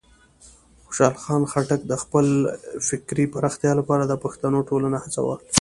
خوشحال خان خټک د خپلې فکري پراختیا لپاره د پښتنو ټولنه هڅول.